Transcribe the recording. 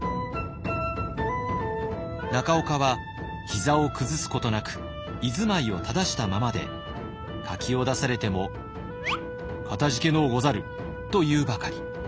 中岡は膝を崩すことなく居ずまいを正したままで柿を出されても「かたじけのうござる」と言うばかり。